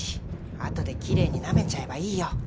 あとできれいになめちゃえばいいよ。